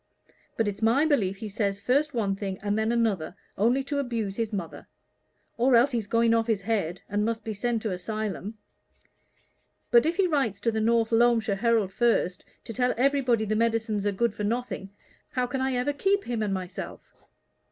But it's my belief he says first one thing and then another only to abuse his mother. Or else he's going off his head, and must be sent to a 'sylum. But if he writes to the North Loamshire Herald first, to tell everybody the medicines are good for nothing, how can I ever keep him and myself?"